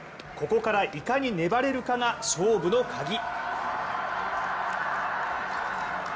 ここからいかに粘れるかが勝負の鍵。